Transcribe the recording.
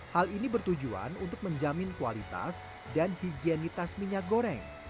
hal ini bertujuan untuk menjamin kualitas dan higienitas minyak goreng